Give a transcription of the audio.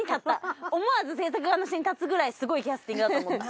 思わず制作側の視点に立つぐらいすごいキャスティングだと思った。